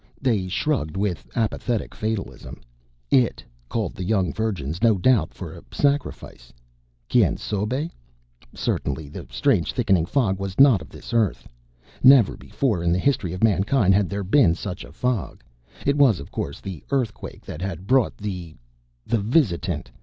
They shrugged with apathetic fatalism. It called the young virgins, no doubt for a sacrifice. Quien sabe? Certainly the strange, thickening fog was not of this earth. Never before in the history of mankind had there been such a fog. It was, of course, the earthquake that had brought the the Visitant.